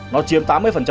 nó chiếm tám mươi